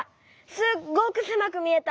すっごくせまくみえた。